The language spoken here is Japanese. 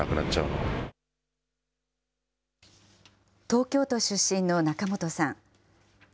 東京都出身の仲本さん。